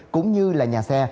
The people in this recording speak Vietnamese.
cũng như là nhà xe